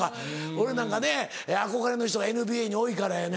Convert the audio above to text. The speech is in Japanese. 俺なんかね憧れの人がＮＢＡに多いからやね。